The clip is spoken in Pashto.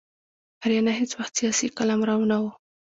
آریانا هیڅ وخت سیاسي قلمرو نه و.